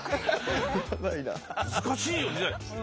難しいよね。